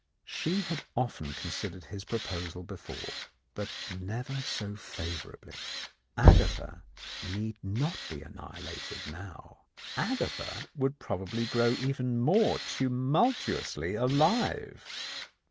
She had often considered his proposal before, but never so favourably. Agatha need not be annihilated now; Agatha would probably grow even more tumultuously alive.